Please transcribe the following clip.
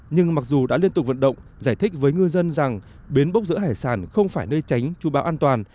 nhưng mặc dù đã liên tục vận động giải thích với ngư dân rằng bến bốc rỡ hải sản không phải nơi tránh chú bão an toàn